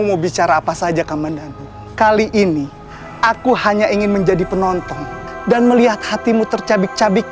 mau bicara apa saja komandan kali ini aku hanya ingin menjadi penonton dan melihat hatimu tercabik cabik